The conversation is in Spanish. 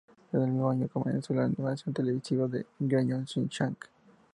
En el mismo año comenzó la animación televisiva ""Crayon Shin-chan"".